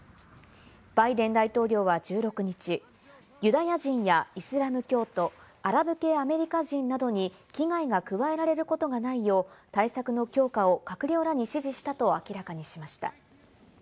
バイデン大統領は１６日、ユダヤ人やイスラム教徒、アラブ系アメリカ人などに危害が加えられることがないよう対策の強化を閣僚らに指示したと明らかにしました。